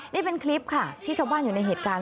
นี่เป็นคลิปค่ะที่ชาวบ้านอยู่ในเหตุการณ์